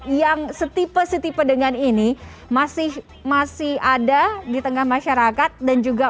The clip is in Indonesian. yang setipe setipe dengan ini masih masih ada di tengah masyarakat dan juga